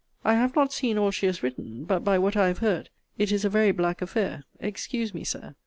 I have not seen all she has written; but, by what I have heard, it is a very black affair Excuse me, Sir.